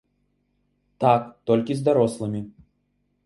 Так, толькі з дарослымі.